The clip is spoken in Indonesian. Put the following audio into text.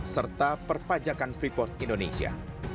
serta perpajakan freeport indonesia